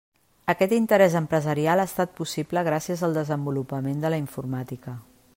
Aquest interès empresarial ha estat possible gràcies al desenvolupament de la informàtica.